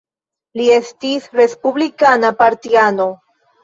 Li estis respublikana partiano.